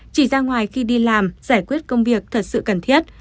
chỉ ra ngoài khi đi làm giải quyết công việc thật sự cần thiết